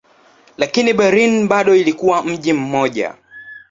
Lakini Berlin bado ilikuwa mji mmoja.